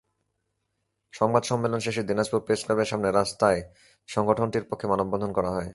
সংবাদ সম্মেলন শেষে দিনাজপুর প্রেসক্লাবের সামনে রাস্তায় সংগঠনটির পক্ষে মানববন্ধন করা হয়।